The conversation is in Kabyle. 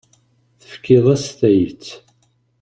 Tefkiḍ-as tayet.